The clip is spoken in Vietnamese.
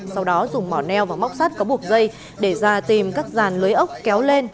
sau đó dùng mỏ neo và móc sắt có buộc dây để ra tìm các dàn lưới ốc kéo lên